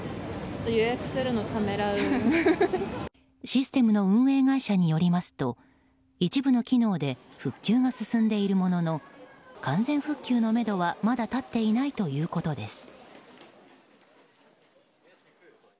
システムの運営会社によりますと一部の機能で復旧が進んでいるものの完全復旧のめどはまだ立っていないということです。